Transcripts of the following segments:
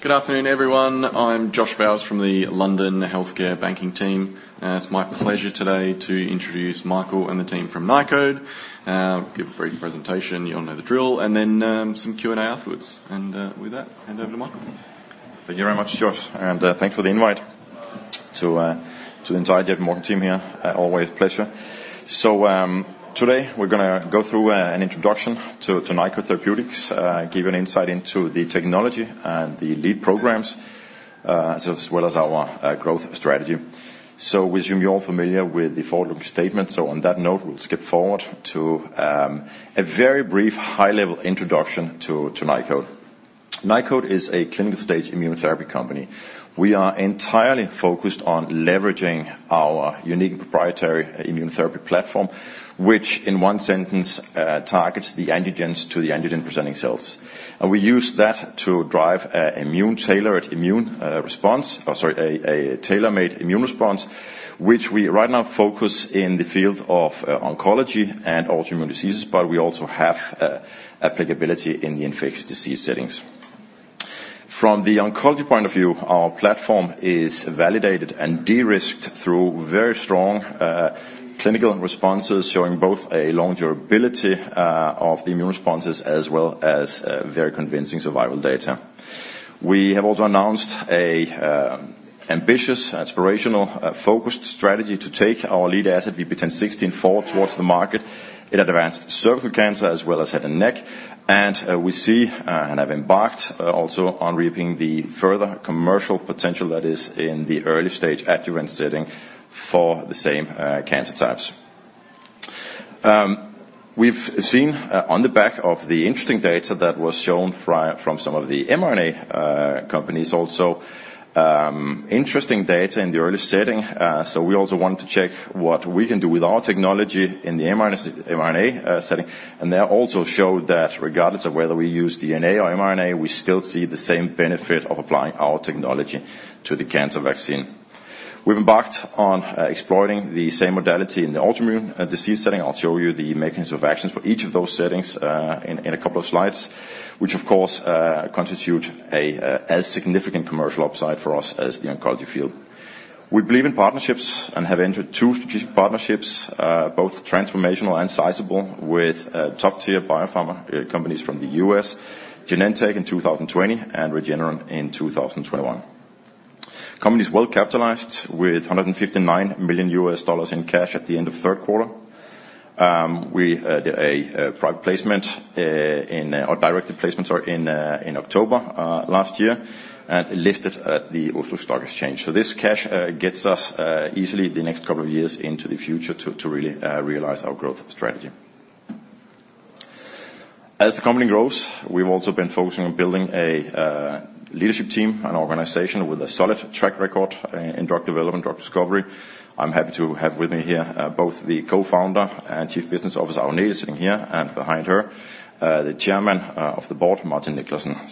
Good afternoon, everyone. I'm Josh Bowers from the London Healthcare Banking team. It's my pleasure today to introduce Michael and the team from Nykode. Give a brief presentation, you all know the drill, and then some Q&A afterwards. With that, hand over to Mikkel. Thank you very much, Josh, and thanks for the invite to the entire JPMorgan team here. Always a pleasure. Today, we're gonna go through an introduction to Nykode Therapeutics, give an insight into the technology and the lead programs, as well as our growth strategy. We assume you're all familiar with the forward-looking statement. On that note, we'll skip forward to a very brief, high-level introduction to Nykode. Nykode is a clinical-stage immunotherapy company. We are entirely focused on leveraging our unique proprietary immunotherapy platform, which, in one sentence, targets the antigens to the antigen-presenting cells. And we use that to drive a immune... a tailor-made immune response, which we right now focus in the field of oncology and autoimmune diseases, but we also have applicability in the infectious disease settings. From the oncology point of view, our platform is validated and de-risked through very strong clinical responses, showing both a long durability of the immune responses, as well as very convincing survival data. We have also announced a ambitious, aspirational focused strategy to take our lead asset, VB10.16, forward towards the market in advanced cervical cancer, as well as head and neck. We see and have embarked also on reaping the further commercial potential that is in the early stage adjuvant setting for the same cancer types. We've seen, on the back of the interesting data that was shown from some of the mRNA companies also, interesting data in the early setting. So we also want to check what we can do with our technology in the mRNA setting, and that also showed that regardless of whether we use DNA or mRNA, we still see the same benefit of applying our technology to the cancer vaccine. We've embarked on exploring the same modality in the autoimmune disease setting. I'll show you the mechanisms of actions for each of those settings in a couple of slides, which, of course, constitute as significant commercial upside for us as the oncology field. We believe in partnerships and have entered two strategic partnerships, both transformational and sizable, with top-tier biopharma companies from the US: Genentech in 2020, and Regeneron in 2021. Company is well-capitalized, with $159 million in cash at the end of third quarter. We did a private placement, or directed placement, sorry, in October last year, and listed at the Oslo Stock Exchange. So this cash gets us easily the next couple of years into the future to really realize our growth strategy. As the company grows, we've also been focusing on building a leadership team and organization with a solid track record in drug development, drug discovery. I'm happy to have with me here, both the Co-Founder and Chief Business Officer, Agnete, sitting here, and behind her, the Chairman of the Board, Martin Nicklasson.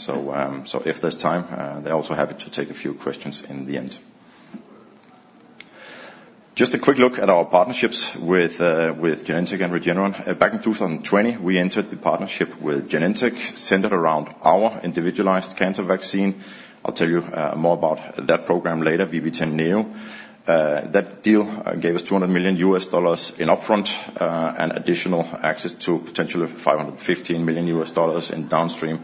So if there's time, they're also happy to take a few questions in the end. Just a quick look at our partnerships with Genentech and Regeneron. Back in 2020, we entered the partnership with Genentech, centered around our individualized cancer vaccine. I'll tell you more about that program later, VB10.NEO. That deal gave us $200 million in upfront and additional access to potentially $550 million in downstream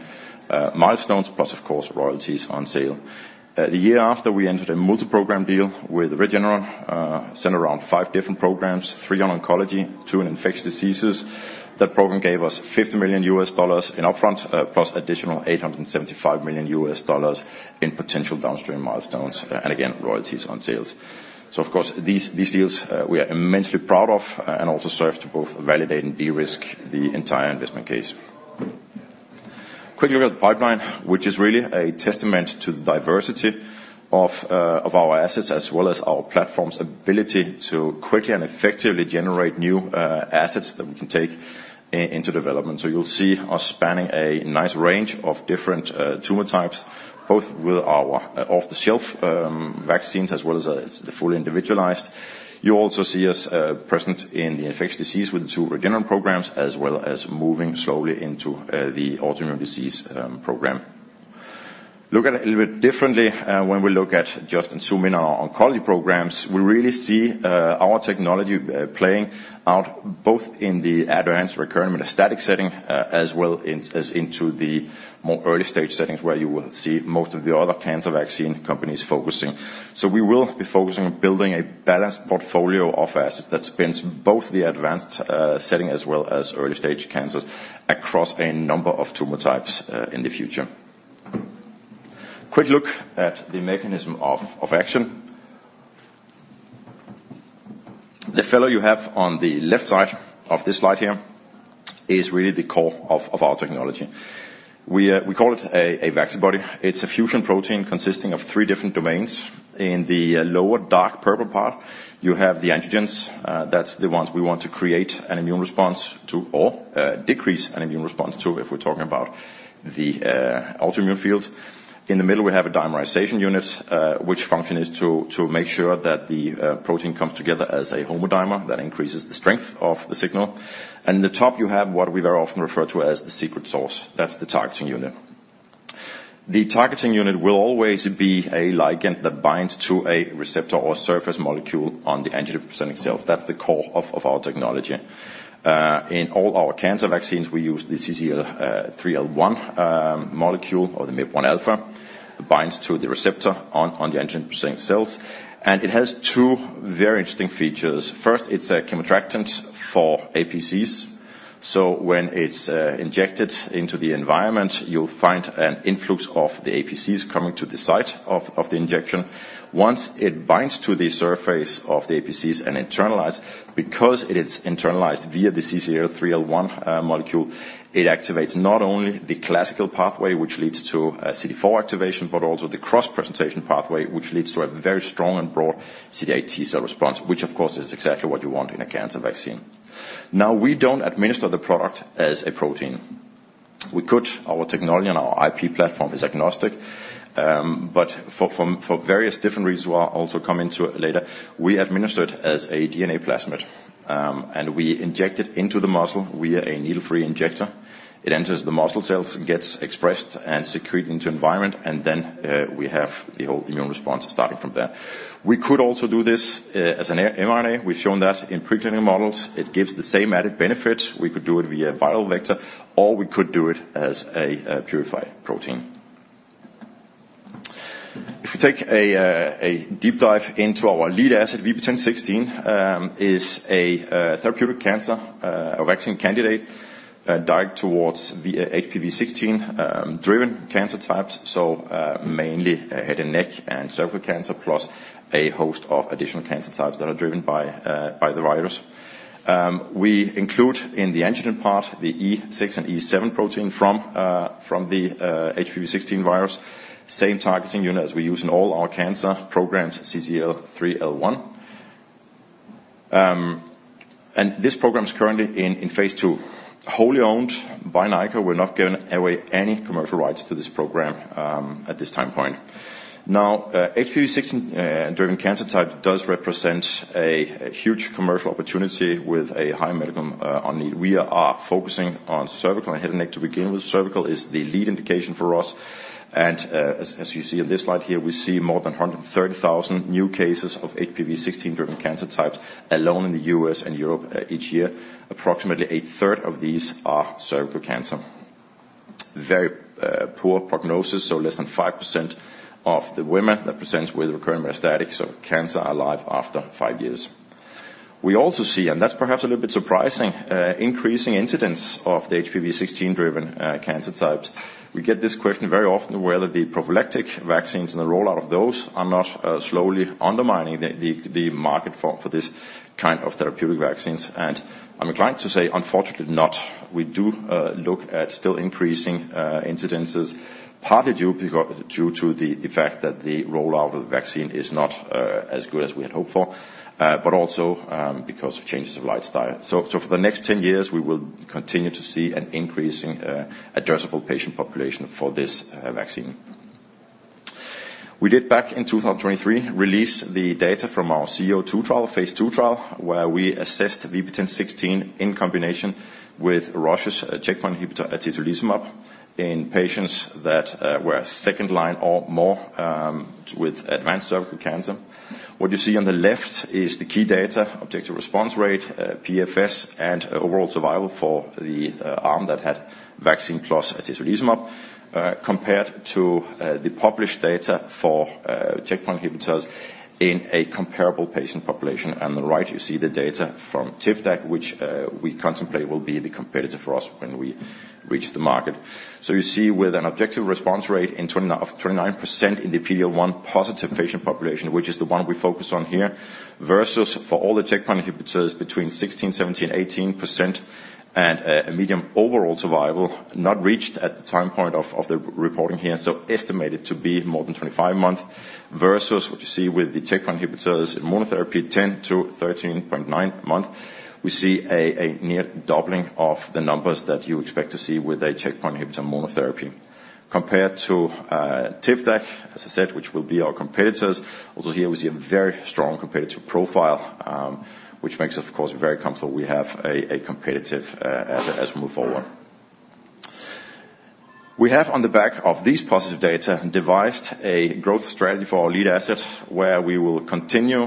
milestones, plus, of course, royalties on sale. The year after, we entered a multi-program deal with Regeneron, centered around five different programs, three on oncology, two on infectious diseases. That program gave us $50 million upfront, plus additional $875 million in potential downstream milestones, and again, royalties on sales. So of course, these deals, we are immensely proud of, and also serve to both validate and de-risk the entire investment case. Quick look at the pipeline, which is really a testament to the diversity of our assets, as well as our platform's ability to quickly and effectively generate new assets that we can take into development. So you'll see us spanning a nice range of different tumor types, both with our off-the-shelf vaccines, as well as the fully individualized. You'll also see us present in the infectious disease with the two Regeneron programs, as well as moving slowly into the autoimmune disease program. Look at it a little bit differently, when we look at just zooming our oncology programs, we really see, our technology, playing out both in the advanced recurrent metastatic setting, as well in, as into the more early stage settings, where you will see most of the other cancer vaccine companies focusing. So we will be focusing on building a balanced portfolio of assets that spans both the advanced, setting as well as early-stage cancers across a number of tumor types, in the future. Quick look at the mechanism of action. The fellow you have on the left side of this slide here is really the core of our technology. We we call it a Vaccibody. It's a fusion protein consisting of three different domains. In the lower dark purple part, you have the antigens, that's the ones we want to create an immune response to, or decrease an immune response to, if we're talking about the autoimmune field... In the middle, we have a dimerization unit, which function is to make sure that the protein comes together as a homodimer. That increases the strength of the signal. And in the top you have what we very often refer to as the secret source. That's the targeting unit. The targeting unit will always be a ligand that binds to a receptor or surface molecule on the antigen-presenting cells. That's the core of our technology. In all our cancer vaccines, we use the CCL3L1 molecule, or the MIP-1 alpha. It binds to the receptor on the antigen-presenting cells, and it has two very interesting features. First, it's a chemoattractant for APCs, so when it's injected into the environment, you'll find an influx of the APCs coming to the site of the injection. Once it binds to the surface of the APCs and internalize, because it is internalized via the CCL3L1 molecule, it activates not only the classical pathway, which leads to CD4 activation, but also the cross-presentation pathway, which leads to a very strong and broad CD8 T cell response, which, of course, is exactly what you want in a cancer vaccine. Now, we don't administer the product as a protein. We could. Our technology and our IP platform is agnostic, but for various different reasons, we are also coming to it later, we administer it as a DNA plasmid, and we inject it into the muscle via a needle-free injector. It enters the muscle cells, and gets expressed and secreted into environment, and then, we have the whole immune response starting from there. We could also do this, as an mRNA. We've shown that in preclinical models. It gives the same added benefit. We could do it via viral vector, or we could do it as a, purified protein. If you take a, a deep dive into our lead asset, VB10.16, is a, therapeutic cancer, a vaccine candidate, directed towards via HPV16, driven cancer types, so, mainly, head and neck and cervical cancer, plus a host of additional cancer types that are driven by, by the virus. We include in the antigen part, the E6 and E7 protein from, from the, HPV16 virus. Same targeting unit as we use in all our cancer programs, CCL3L1. This program is currently in phase II, wholly owned by Nykode. We're not giving away any commercial rights to this program at this time point. Now, HPV16-driven cancer type does represent a huge commercial opportunity with a high medical need. We are focusing on cervical and head and neck to begin with. Cervical is the lead indication for us, and as you see on this slide here, we see more than 130,000 new cases of HPV16-driven cancer types alone in the U.S. and Europe each year. Approximately a third of these are cervical cancer. Very poor prognosis, so less than 5% of the women that present with recurrent or metastatic cancer are alive after five years. We also see, and that's perhaps a little bit surprising, increasing incidences of the HPV16-driven cancer types. We get this question very often, whether the prophylactic vaccines and the rollout of those are not slowly undermining the market for this kind of therapeutic vaccines, and I'm inclined to say, unfortunately not. We do look at still increasing incidences, partly due to the fact that the rollout of the vaccine is not as good as we had hoped for, but also because of changes of lifestyle. So for the next 10 years, we will continue to see an increasing addressable patient population for this vaccine. We did, back in 2023, release the data from our VB-C-02 trial, phase II trial, where we assessed VB10.16 in combination with Roche's checkpoint inhibitor, atezolizumab, in patients that were second-line or more, with advanced cervical cancer. What you see on the left is the key data, objective response rate, PFS, and overall survival for the arm that had vaccine plus atezolizumab, compared to the published data for checkpoint inhibitors in a comparable patient population. On the right, you see the data from TIVDAK, which we contemplate will be the competitor for us when we reach the market. So you see, with an objective response rate of 29% in the PD-L1 positive patient population, which is the one we focus on here, versus for all the checkpoint inhibitors, between 16, 17, and 18%, and a median overall survival, not reached at the time point of the reporting here, so estimated to be more than 25 months, versus what you see with the checkpoint inhibitors in monotherapy, 10-13.9 months. We see a near doubling of the numbers that you expect to see with a checkpoint inhibitor monotherapy. Compared to TIVDAK, as I said, which will be our competitors. Also here, we see a very strong competitive profile, which makes us, of course, very comfortable we have a competitive as we move forward. We have, on the back of these positive data, devised a growth strategy for our lead asset, where we will continue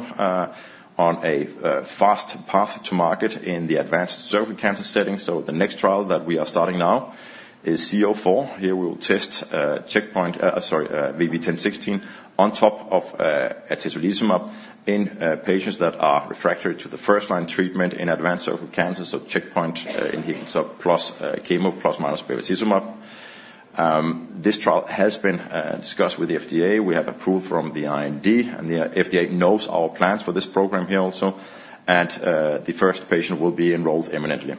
on a fast path to market in the advanced cervical cancer setting. So the next trial that we are starting now is VB-C-04. Here we will test checkpoint Sorry VB10.16 on top of atezolizumab in patients that are refractory to the first-line treatment in advanced cervical cancer, so checkpoint inhibition, so plus chemo plus minus bevacizumab. This trial has been discussed with the FDA. We have approval from the IND, and the FDA knows our plans for this program here also, and the first patient will be enrolled imminently.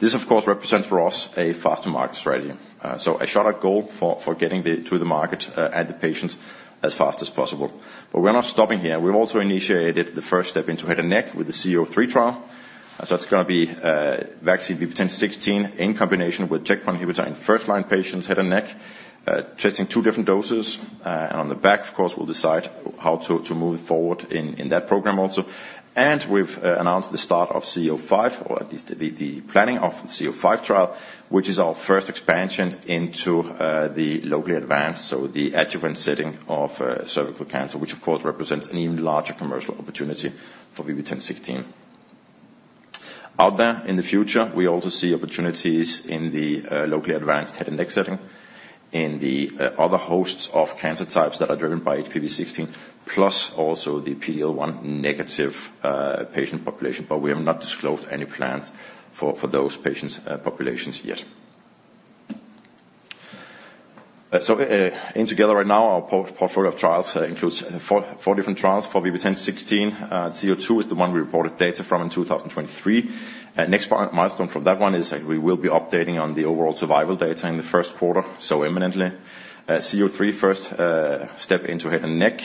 This, of course, represents for us a faster market strategy, so a shorter goal for, for getting the, to the market, and the patients as fast as possible. But we're not stopping here. We've also initiated the first step into head and neck with the VB-C-03 trial. So it's gonna be, vaccine VB10.16 in combination with checkpoint inhibitor in first-line patients, head and neck, testing two different doses. On the back, of course, we'll decide how to, to move forward in, in that program also. And we've announced the start of VB-C-05, or at least the, the, the planning of the VB-C-05 trial, which is our first expansion into, the locally advanced, so the adjuvant setting of, cervical cancer, which of course, represents an even larger commercial opportunity for VB10.16. Out there in the future, we also see opportunities in the locally advanced head and neck setting, in the other hosts of cancer types that are driven by HPV16, plus also the PD-L1 negative patient population, but we have not disclosed any plans for those patients, populations yet. So in together right now, our portfolio of trials includes 4 different trials for VB10.16. VB-C-02 is the one we reported data from in 2023. Next milestone from that one is we will be updating on the overall survival data in the first quarter, so imminently. VB-C-03, first step into head and neck,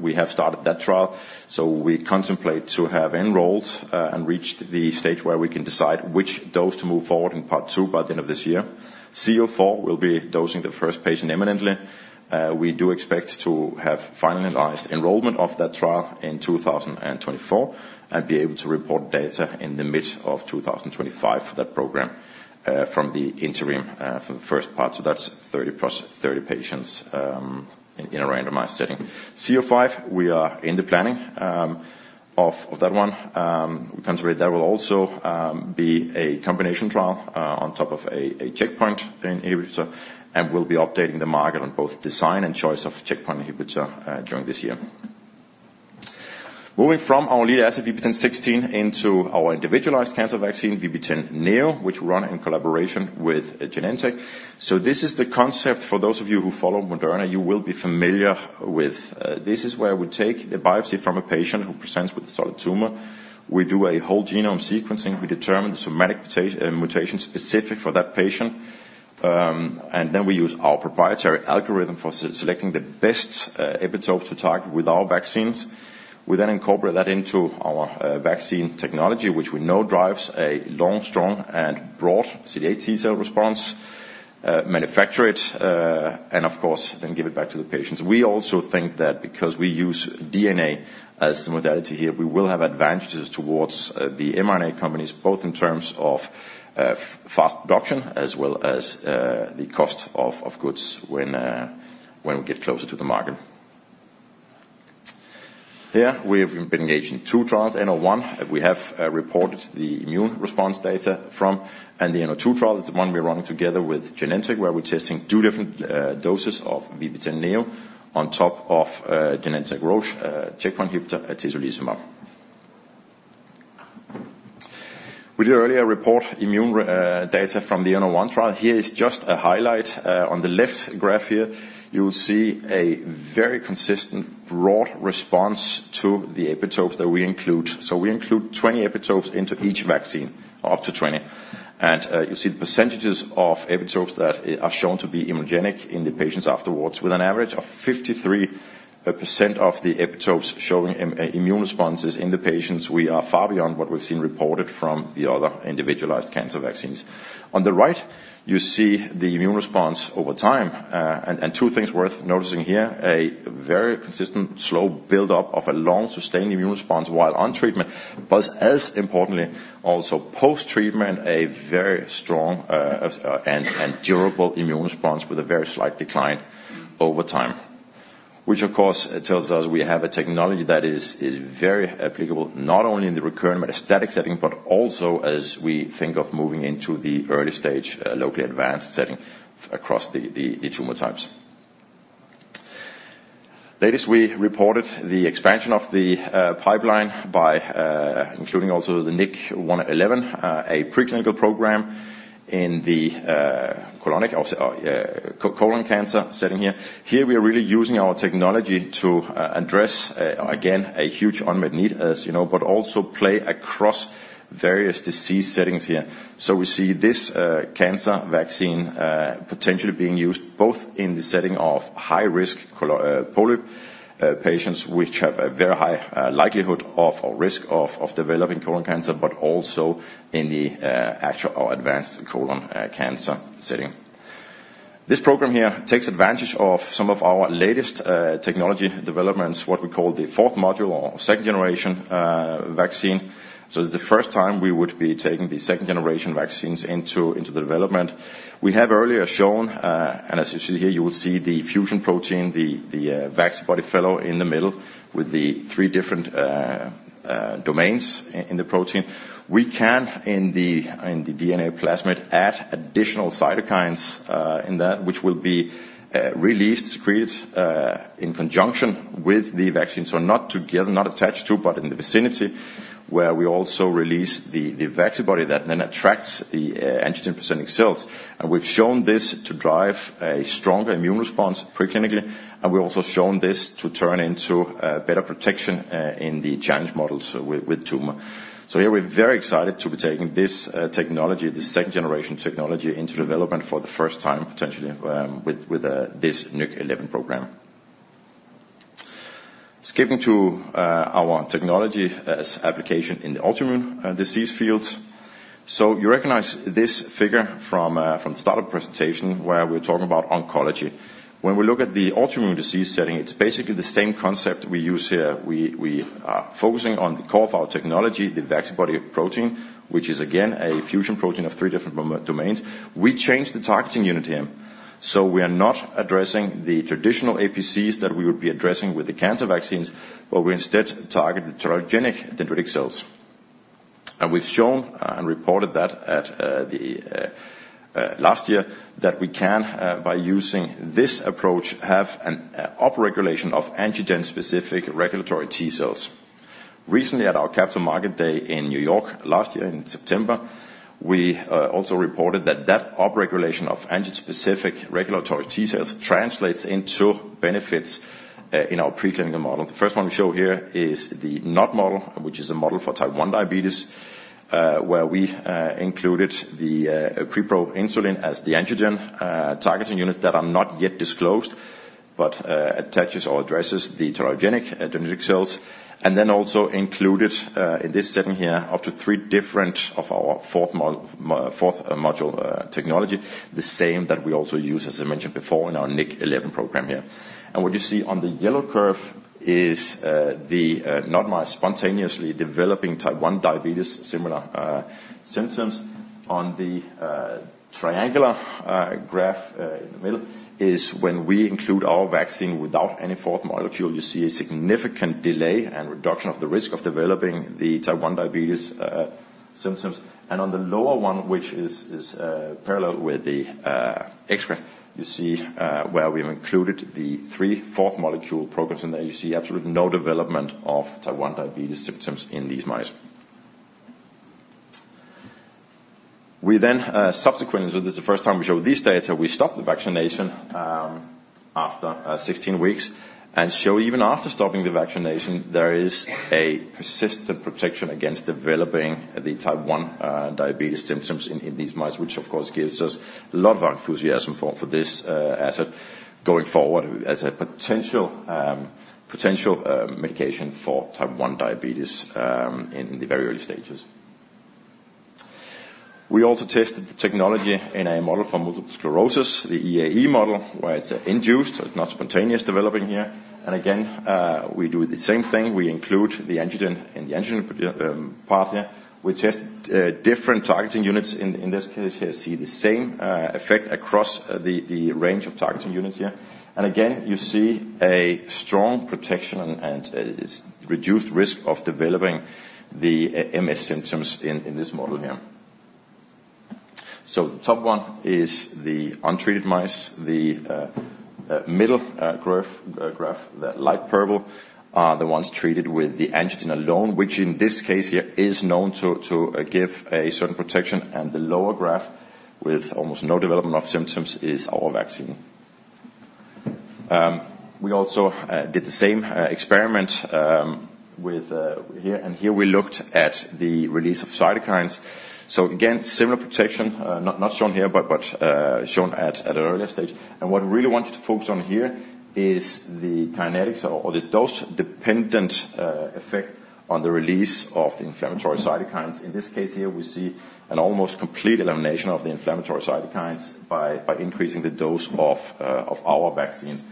we have started that trial. So we contemplate to have enrolled, and reached the stage where we can decide which dose to move forward in part two by the end of this year. VB-C-04 will be dosing the first patient imminently. We do expect to have finalized enrollment of that trial in 2024, and be able to report data in the mid of 2025 for that program, from the interim, for the first part. So that's 30 + 30 patients, in a randomized setting. VB-C-05, we are in the planning, of that one. We contemplate that will also, be a combination trial, on top of a checkpoint inhibitor, and we'll be updating the market on both design and choice of checkpoint inhibitor, during this year. Moving from our lead asset, VB10.16, into our individualized cancer vaccine, VB10.NEO, which we run in collaboration with Genentech. So this is the concept, for those of you who follow Moderna, you will be familiar with. This is where we take the biopsy from a patient who presents with a solid tumor. We do a whole genome sequencing, we determine the somatic mutation specific for that patient, and then we use our proprietary algorithm for selecting the best epitopes to target with our vaccines. We then incorporate that into our vaccine technology, which we know drives a long, strong, and broad CD8 T cell response, manufacture it, and of course, then give it back to the patients. We also think that because we use DNA as the modality here, we will have advantages towards the mRNA companies, both in terms of fast production, as well as the cost of goods when we get closer to the market. Here, we have been engaged in two trials, N-01, and we have reported the immune response data from, and the N-02 trial is the one we're running together with Genentech, where we're testing two different doses of VB10.NEO on top of Genentech Roche checkpoint inhibitor, atezolizumab. We did earlier report immune data from the N-01 trial. Here is just a highlight. On the left graph here, you'll see a very consistent, broad response to the epitopes that we include. So we include 20 epitopes into each vaccine, up to 20. You see the percentages of epitopes that are shown to be immunogenic in the patients afterwards, with an average of 53% of the epitopes showing immune responses in the patients. We are far beyond what we've seen reported from the other individualized cancer vaccines. On the right, you see the immune response over time, and two things worth noticing here, a very consistent, slow build-up of a long, sustained immune response while on treatment, but as importantly, also post-treatment, a very strong and durable immune response with a very slight decline over time. Which, of course, tells us we have a technology that is very applicable, not only in the recurrent metastatic setting, but also as we think of moving into the early stage, locally advanced setting across the tumor types. Lately, we reported the expansion of the pipeline by including also the NYK-111, a preclinical program in the colon cancer setting here. Here, we are really using our technology to address again a huge unmet need, as you know, but also play across various disease settings here. So we see this cancer vaccine potentially being used both in the setting of high risk polyp patients, which have a very high likelihood of or risk of developing colon cancer, but also in the actual or advanced colon cancer setting. This program here takes advantage of some of our latest technology developments, what we call the fourth module or second generation vaccine. So it's the first time we would be taking the second generation vaccines into the development. We have earlier shown, and as you see here, you will see the fusion protein, the Vaccibody molecule in the middle with the three different domains in the protein. We can in the DNA plasmid add additional cytokines in that, which will be released created in conjunction with the vaccine. So not together, not attached to, but in the vicinity, where we also release the Vaccibody that then attracts the antigen-presenting cells. And we've shown this to drive a stronger immune response preclinically, and we've also shown this to turn into better protection in the challenge models with tumor. So here we're very excited to be taking this technology, this second-generation technology, into development for the first time, potentially with this NYK-111 program. Skipping to our technology as application in the autoimmune disease fields. So you recognize this figure from the start of presentation, where we're talking about oncology. When we look at the autoimmune disease setting, it's basically the same concept we use here. We are focusing on the core of our technology, the Vaccibody protein, which is again a fusion protein of three different domains. We changed the targeting unit here, so we are not addressing the traditional APCs that we would be addressing with the cancer vaccines, but we instead target the tolerogenic dendritic cells. And we've shown and reported that at the last year, that we can by using this approach have an upregulation of antigen-specific regulatory T cells. Recently, at our Capital Market Day in New York last year in September, we also reported that that upregulation of antigen-specific regulatory T cells translates into benefits in our preclinical model. The first one we show here is the NOD model, which is a model for type 1 diabetes, where we included the pre-proinsulin as the antigen targeting unit that are not yet disclosed, but attaches or addresses the tolerogenic dendritic cells. And then also included in this setting here, up to three different of our fourth module technology, the same that we also use, as I mentioned before, in our NIC-111 program here. And what you see on the yellow curve is the NOD mouse spontaneously developing type one diabetes, similar symptoms. On the triangular graph in the middle is when we include our vaccine without any fourth molecule, you see a significant delay and reduction of the risk of developing the type one diabetes symptoms. On the lower one, which is parallel with the X graph, you see where we've included the three fourth molecule programs in there. You see absolutely no development of type one diabetes symptoms in these mice. We then subsequently, this is the first time we show these data, we stopped the vaccination after 16 weeks, and show even after stopping the vaccination, there is a persistent protection against developing the type 1 diabetes symptoms in these mice, which of course gives us a lot of enthusiasm for this asset going forward as a potential medication for type 1 diabetes in the very early stages. We also tested the technology in a model for multiple sclerosis, the EAE model, where it's induced, it's not spontaneous developing here. And again, we do the same thing. We include the antigen in the part here. We test different targeting units in this case here, see the same effect across the range of targeting units here. And again, you see a strong protection and it's reduced risk of developing the MS symptoms in this model here. So the top one is the untreated mice. The middle graph that light purple are the ones treated with the antigen alone, which in this case here is known to give a certain protection, and the lower graph with almost no development of symptoms is our vaccine. We also did the same experiment with here, and here we looked at the release of cytokines. So again, similar protection not shown here, but shown at an earlier stage. And what I really want you to focus on here is the kinetics or the dose-dependent effect on the release of the inflammatory cytokines. In this case, here, we see an almost complete elimination of the inflammatory cytokines by increasing the dose of our vaccines.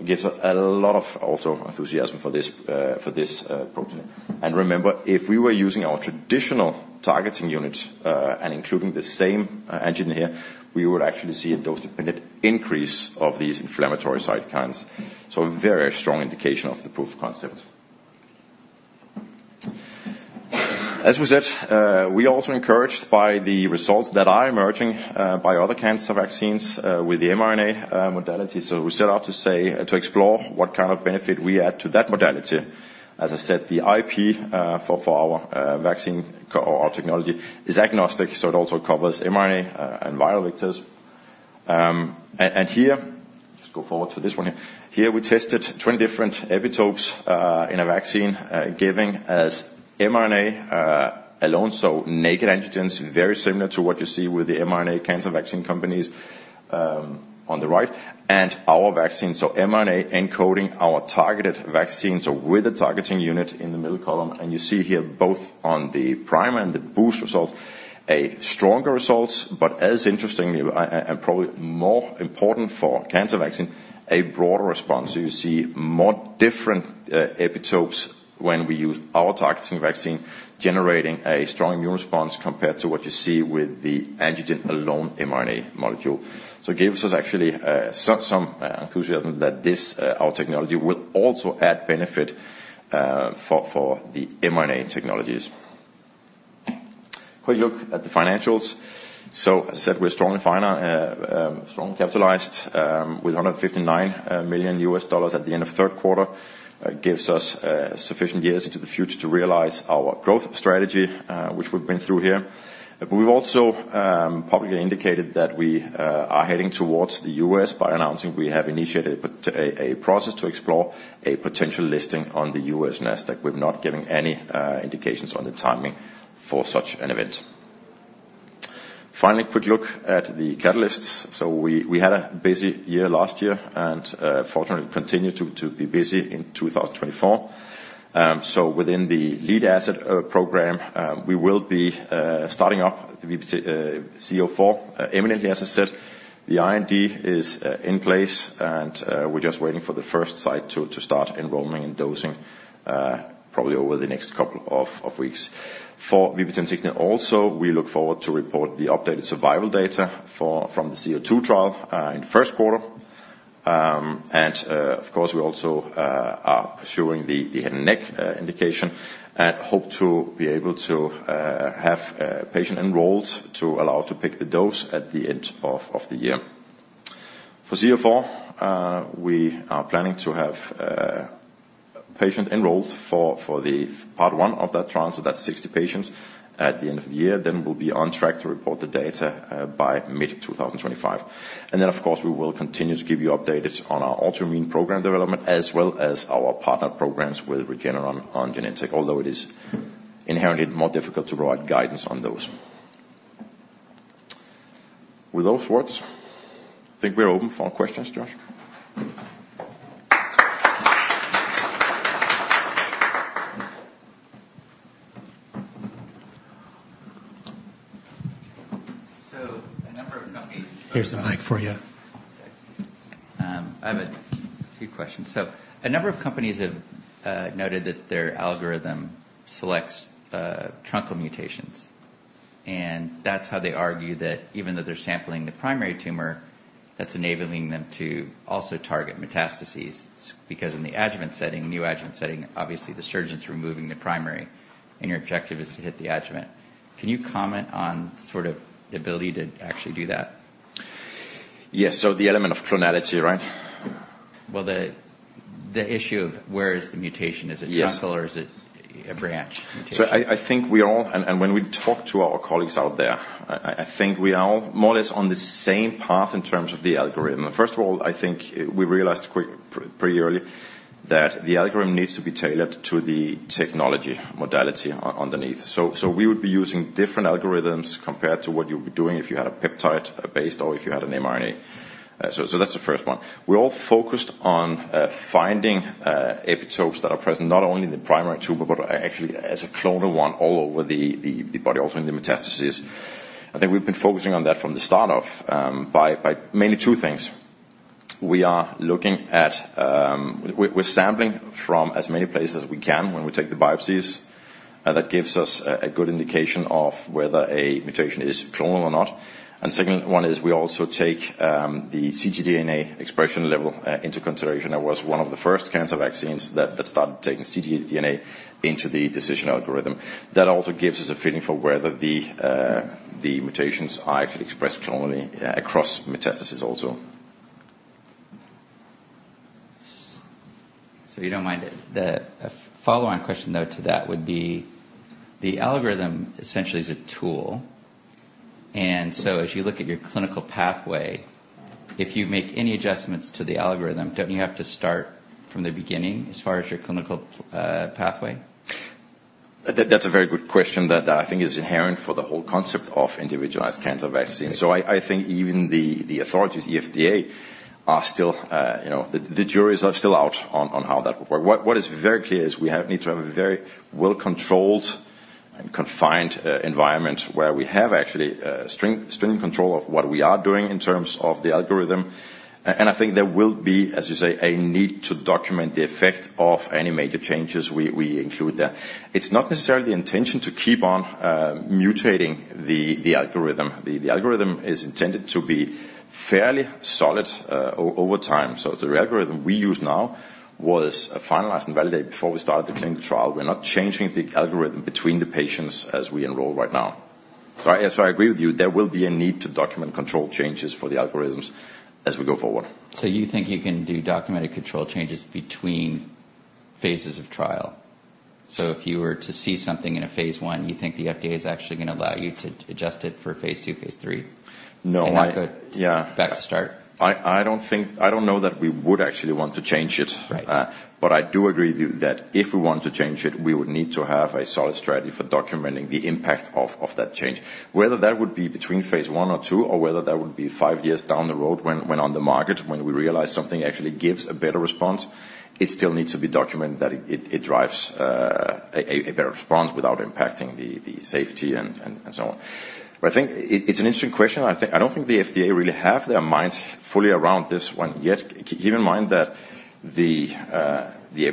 It gives us a lot of also enthusiasm for this, for this protein. And remember, if we were using our traditional targeting unit and including the same antigen here, we would actually see a dose-dependent increase of these inflammatory cytokines. So a very strong indication of the proof of concept. As we said, we're also encouraged by the results that are emerging by other cancer vaccines with the mRNA modality. So we set out to explore what kind of benefit we add to that modality. As I said, the IP for our vaccine or our technology is agnostic, so it also covers mRNA and viral vectors. And here, just go forward to this one here. Here, we tested 20 different epitopes in a vaccine giving as mRNA alone, so naked antigens, very similar to what you see with the mRNA cancer vaccine companies on the right, and our vaccine, so mRNA encoding our targeted vaccine, so with the targeting unit in the middle column, and you see here, both on the prime and the boost results, a stronger results, but as interestingly and probably more important for cancer vaccine, a broader response. So you see more different epitopes when we use our targeting vaccine, generating a strong immune response compared to what you see with the antigen-alone mRNA molecule. So it gives us actually some enthusiasm that this our technology will also add benefit for the mRNA technologies. Quick look at the financials. So as I said, we're strongly capitalized with $159 million at the end of third quarter. This gives us sufficient years into the future to realize our growth strategy, which we've been through here. But we've also publicly indicated that we are heading towards the U.S. by announcing we have initiated a process to explore a potential listing on the U.S. Nasdaq. We've not given any indications on the timing for such an event. Finally, a quick look at the catalysts. So we had a busy year last year, and fortunately continue to be busy in 2024. So within the lead asset program, we will be starting up the VB-C-04 imminently, as I said. The IND is in place, and we're just waiting for the first site to start enrolling and dosing, probably over the next couple of weeks. For VB10.16 also, we look forward to report the updated survival data from the VB-C-02 trial in the first quarter. And, of course, we also are pursuing the next indication, and hope to be able to have patient enrolled to allow to pick the dose at the end of the year. For VB-C-03, we are planning to have patient enrolled for the part one of that trial, so that's 60 patients, at the end of the year. Then we'll be on track to report the data by mid 2025. And then, of course, we will continue to keep you updated on our autoimmune program development, as well as our partner programs with Regeneron on Genentech, although it is inherently more difficult to provide guidance on those. With those words, I think we're open for questions, Josh. So a number of companies. Here's a mic for you. I have a few questions. So a number of companies have noted that their algorithm selects truncal mutations, and that's how they argue that even though they're sampling the primary tumor, that's enabling them to also target metastases. Because in the neoadjuvant setting, obviously the surgeon's removing the primary, and your objective is to hit the adjuvant. Can you comment on sort of the ability to actually do that? Yes. So the element of clonality, right? Well, the issue of where is the mutation? Yes. Is it truncal or is it a branch mutation? So, I think we all, and when we talk to our colleagues out there, I think we are all more or less on the same path in terms of the algorithm. First of all, I think we realized pretty early that the algorithm needs to be tailored to the technology modality underneath. So, we would be using different algorithms compared to what you'll be doing if you had a peptide-based or if you had an mRNA. So, that's the first one. We're all focused on finding epitopes that are present not only in the primary tumor, but actually as a clonal one all over the body, also in the metastases. I think we've been focusing on that from the start by mainly two things. We are looking at... We're sampling from as many places as we can when we take the biopsies, and that gives us a good indication of whether a mutation is clonal or not. And second one is we also take the ctDNA expression level into consideration. That was one of the first cancer vaccines that started taking ctDNA into the decision algorithm. That also gives us a feeling for whether the mutations are actually expressed clonally across metastasis also. You don't mind? The follow-on question, though, to that would be, the algorithm essentially is a tool, and so as you look at your clinical pathway, if you make any adjustments to the algorithm, don't you have to start from the beginning as far as your clinical pathway? That's a very good question that I think is inherent for the whole concept of individualized cancer vaccine. So I think even the authorities, the FDA, are still, you know, the juries are still out on how that would work. What is very clear is we need to have a very well-controlled and confined environment, where we have actually stringent control of what we are doing in terms of the algorithm. And I think there will be, as you say, a need to document the effect of any major changes we include there. It's not necessarily the intention to keep on mutating the algorithm. The algorithm is intended to be fairly solid over time. So the algorithm we use now was finalized and validated before we started the clinical trial. We're not changing the algorithm between the patients as we enroll right now. So I, so I agree with you. There will be a need to document control changes for the algorithms as we go forward. So you think you can do documented control changes between phases of trial? So if you were to see something in a phase I, you think the FDA is actually gonna allow you to adjust it for phase II, phase III? No, I, Yeah. Back to start. I don't think... I don't know that we would actually want to change it. Right. But I do agree with you that if we want to change it, we would need to have a solid strategy for documenting the impact of that change. Whether that would be between phase I or II, or whether that would be five years down the road when on the market, when we realize something actually gives a better response, it still needs to be documented that it drives a better response without impacting the safety and so on. But I think it's an interesting question. I think I don't think the FDA really have their minds fully around this one yet. Keep in mind that the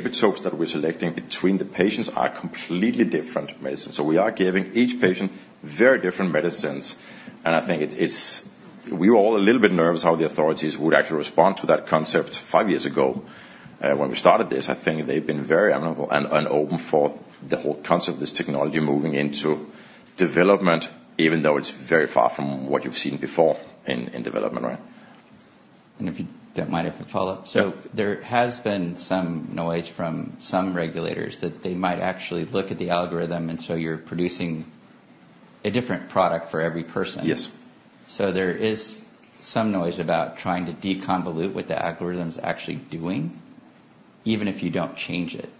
epitopes that we're selecting between the patients are completely different medicines. So we are giving each patient very different medicines, and I think it's... We were all a little bit nervous how the authorities would actually respond to that concept five years ago, when we started this. I think they've been very honorable and open for the whole concept of this technology moving into development, even though it's very far from what you've seen before in development, right? If you don't mind, a follow-up? Sure. There has been some noise from some regulators that they might actually look at the algorithm, and so you're producing a different product for every person. Yes. There is some noise about trying to deconvolute what the algorithm's actually doing... even if you don't change it.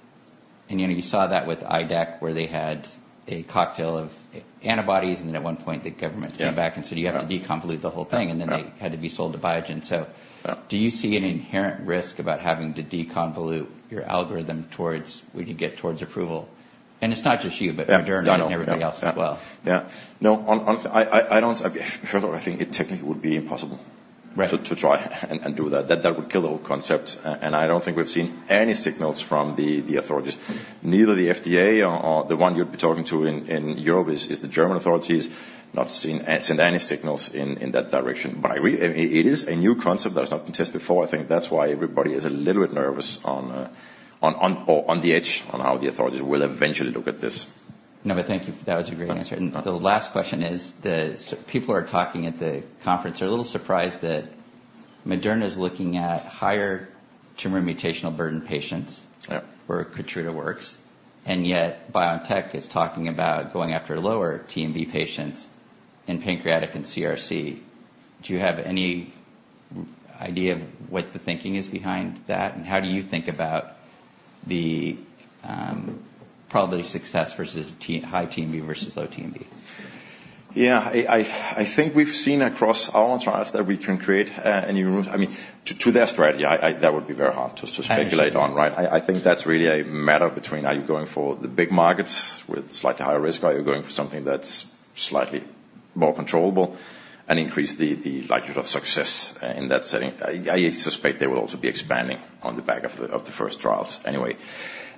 You know, you saw that with IDEC, where they had a cocktail of antibodies, and then at one point, the government- Yeah -came back and said, "You have to deconvolute the whole thing, Yeah. They had to be sold to Biogen. Yeah. Do you see an inherent risk about having to deconvolute your algorithm towards, when you get towards approval? It's not just you- Yeah but Moderna and everybody else as well. Yeah. No, I don't... First of all, I think it technically would be impossible- Right To try and do that. That would kill the whole concept. And I don't think we've seen any signals from the authorities, neither the FDA or the one you'd be talking to in Europe is the German authorities, not seen any signals in that direction. But it is a new concept that has not been tested before. I think that's why everybody is a little bit nervous, on the edge, on how the authorities will eventually look at this. No, but thank you. That was a great answer. Okay. The last question is that people are talking at the conference, they're a little surprised that Moderna is looking at higher tumor mutational burden patients- Yep where KEYTRUDA works. And yet BioNTech is talking about going after lower TMB patients in pancreatic and CRC. Do you have any idea of what the thinking is behind that? And how do you think about the, probably success versus high TMB versus low TMB? Yeah. I think we've seen across all our trials that we can create a new route. I mean, to their strategy, I... That would be very hard to speculate on, right? Absolutely. I think that's really a matter between are you going for the big markets with slightly higher risk, are you going for something that's slightly more controllable and increase the likelihood of success in that setting? I suspect they will also be expanding on the back of the first trials anyway.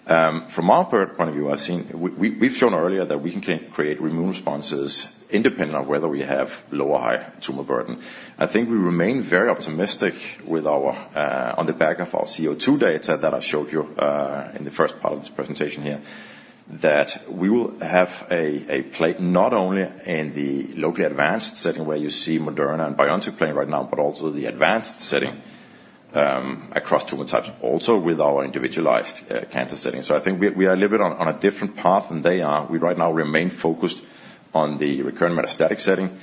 From our perspective, we've shown earlier that we can create immune responses independent of whether we have low or high tumor burden. I think we remain very optimistic with our, on the back of our VB-C-02 data that I showed you, in the first part of this presentation here, that we will have a, a place, not only in the locally advanced setting where you see Moderna and BioNTech playing right now, but also the advanced setting, across tumor types, also with our individualized, cancer setting. So I think we, we are a little bit on, on a different path than they are. We right now remain focused on the recurrent metastatic setting,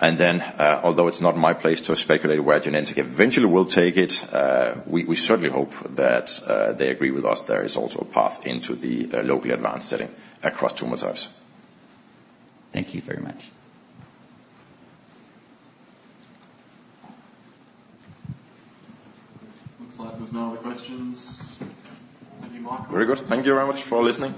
and then, although it's not my place to speculate where Genentech eventually will take it, we, we certainly hope that, they agree with us. There is also a path into the, locally advanced setting across tumor types. Thank you very much. Looks like there's no other questions. Thank you, Mikkel. Very good. Thank you very much for listening.